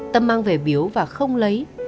tâm mang về biếu và không lấy